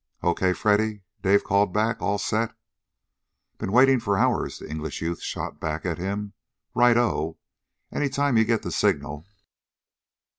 "Okay, Freddy?" Dave called back. "All set?" "Been waiting for hours!" the English youth shot back at him "Right o! Any time you get the signal."